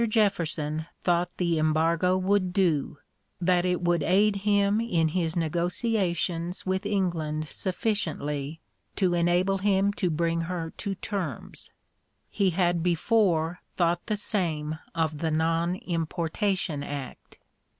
Jefferson thought the embargo would do, that it would aid him in his negotiations with England sufficiently to enable him to bring her to terms; he had before thought the same of the Non importation Act.